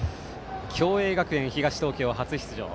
共栄学園・東東京初出場。